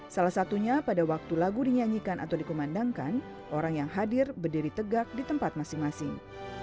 salah satunya pada waktu lagu dinyanyikan atau dikumandangkan orang yang hadir berdiri tegak di tempat masing masing